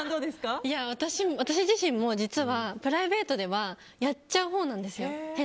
私自身も実はプライベートではやっちゃうほうなんですよ。